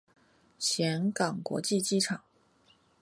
岘港国际机场。